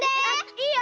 いいよ。